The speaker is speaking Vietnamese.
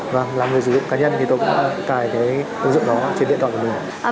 vâng làm người sử dụng cá nhân thì tôi đã cài cái ứng dụng đó trên điện thoại của mình